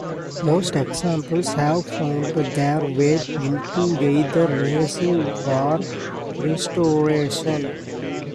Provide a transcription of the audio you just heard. Most examples have found their way into either racing or restoration.